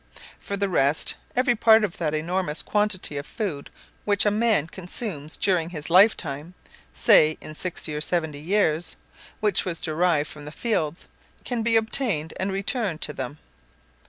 For the rest, every part of that enormous quantity of food which a man consumes during his lifetime ( say in sixty or seventy years), which was derived from the fields, can be obtained and returned to them.